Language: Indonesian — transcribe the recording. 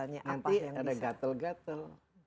nanti ada gatel gatel